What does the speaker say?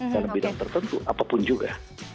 dalam bidang tertentu apapun juga